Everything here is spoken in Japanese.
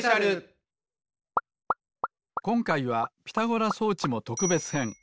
こんかいはピタゴラそうちもとくべつへん。